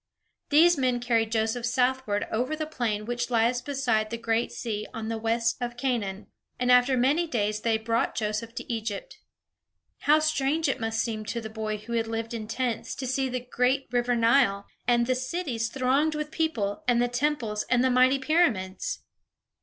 These men carried Joseph southward over the plain which lies beside the great sea on the west of Canaan; and after many days they brought Joseph to Egypt. How strange it must have seemed to the boy who had lived in tents to see the great river Nile, and the cities thronged with people, and the temples, and the mighty pyramids!